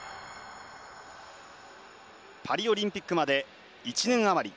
パリオリンピックまで１年あまり。